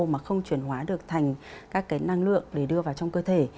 mà không chuyển hóa được thành các cái năng lượng để đưa vào trong cơ thể